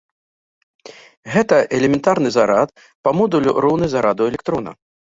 Гэта элементарны зарад, па модулю роўны зараду электрона.